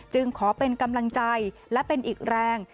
ขอเป็นกำลังใจและเป็นอีกแรง